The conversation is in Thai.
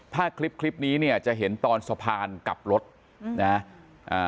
ถ้าคลิปนี้เนี่ยจะเห็นตอนสะพานกลับรถนะฮะ